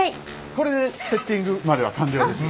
これでセッティングまでは完了です。